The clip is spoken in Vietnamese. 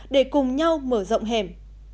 để cùng nhau mở rộng hẻm